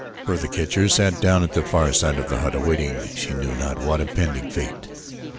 Bertha Kircher sat down at the far side of the hut awaiting she knew not what impending fate.